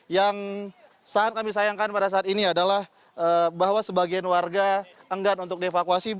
yang sangat kami sayangkan pada saat ini adalah bahwa sebagian warga enggan untuk dievakuasi